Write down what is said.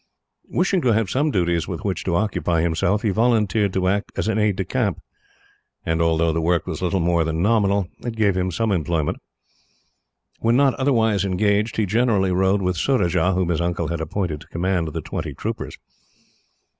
Wishing to have some duties with which to occupy himself, he volunteered to act as an aide de camp; and although the work was little more than nominal, it gave him some employment. When not otherwise engaged, he generally rode with Surajah, whom his uncle had appointed to command the twenty troopers.